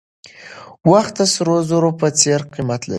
وخت د سرو زرو په څېر قیمت لري.